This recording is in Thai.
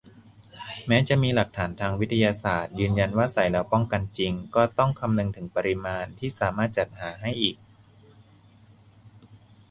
แม้จะมีหลักฐานทางวิทยาศาสตร์ยืนยันว่าใส่แล้วป้องกันจริง ก็ต้องคำนึงถึงปริมาณที่สามารถจัดหาให้อีก